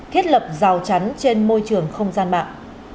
thiết lập rào chắn trên môi trường không gian mạng